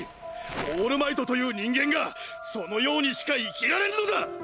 オールマイトという人間がそのようにしか生きられぬのだ！